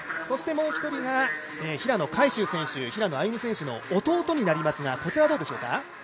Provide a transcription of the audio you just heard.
そしてもう一人が平野海祝選手、平野歩夢選手の弟になりますがこちらはどうでしょうか？